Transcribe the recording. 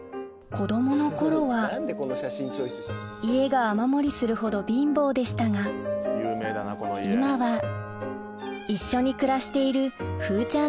子供の頃は家が雨漏りするほど貧乏でしたが今は一緒に暮らしている風ちゃん